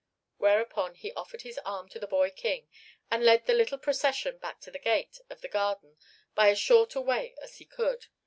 Whereupon he offered his arm to the boy king, and led the little procession back to the gate of the garden by as short a way as he could.